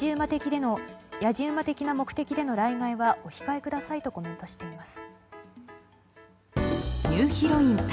野次馬的な目的での来街はお控えくださいとコメントしています。